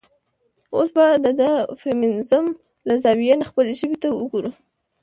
اوس به د د فيمينزم له زاويې نه خپلې ژبې ته وګورو.